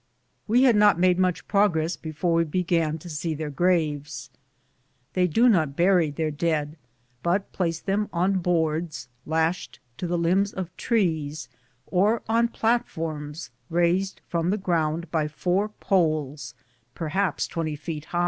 We had not made much prog ress before we began to see their graves. They do not bury their dead, but phice them on boards Lashed to the limbs of trees, or on liigh platforms raised from the ground by four poles perhaps twenty feet.